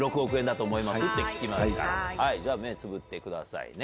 じゃあ目つぶってくださいね。